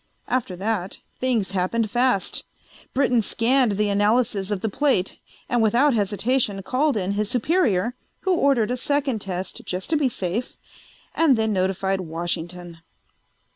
After that things happened fast. Britton scanned the analysis of the plate and without hesitation called in his superior who ordered a second test just to be safe, and then notified Washington.